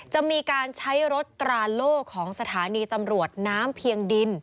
จะมีการใช้รถตราโล่ของสถานีตำรวจน้ำเพียงดิน